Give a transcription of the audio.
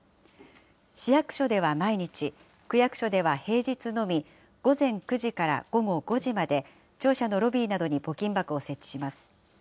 市役所では毎日、区役所では平日のみ、午前９時から午後５時まで、庁舎のロビーなどに募金箱を設置します。